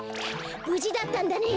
ぶじだったんだね！